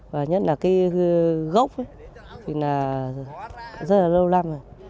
và nhất là cái gốc thì là rất là lâu lắm rồi